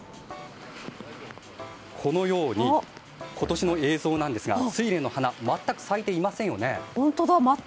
このように、今年の映像ですがスイレンの花全く咲いていませんよね。